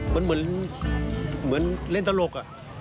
มันเหมือนเหมือนเล่นตลก